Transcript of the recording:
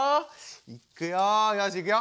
いくよよしいくよ。